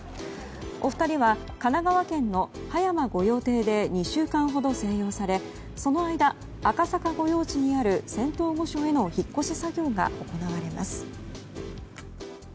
お二人は神奈川県の葉山御用邸で２週間ほど静養され、その間赤坂御用地にある仙洞御所への引っ越し作業が行われます。